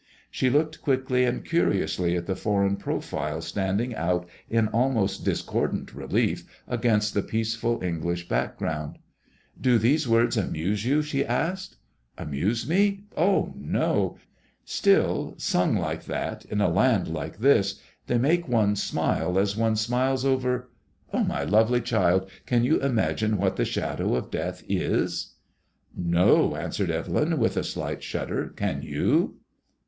She looked quickly and curiously at the foreign profile standing out in almost discordant relief against the peaceful English back ground. *' Do these words amuse you ?" she asked. Amuse me ? Oh I no. Still, MADEMOISELLE IXS. 59 Bung like that, in a land like this, they make one smile, as one smiles over My lovely child, can you imagine what the shadow of death is ?*'" No," answered Evelyn, with a slight shudder. " Can you